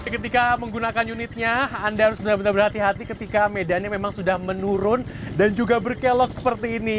ketika menggunakan unitnya anda harus benar benar berhati hati ketika medannya memang sudah menurun dan juga berkelok seperti ini